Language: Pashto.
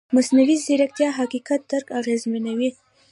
مصنوعي ځیرکتیا د حقیقت درک اغېزمنوي.